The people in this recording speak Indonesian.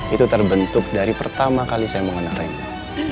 itu terbentuk dari pertama kali saya mengenal rena